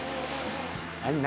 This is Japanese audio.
何？